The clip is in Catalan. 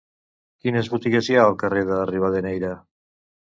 Quines botigues hi ha al carrer de Rivadeneyra?